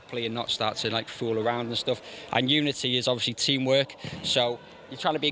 เพราะฉะนั้นถ้าคุณอยากเป็นคนที่ดี